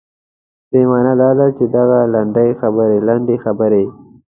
دې معنا دا ده چې دغه لنډې خبرې.